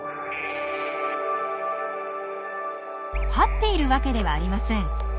這っているわけではありません。